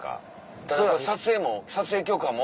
ただ撮影も撮影許可も。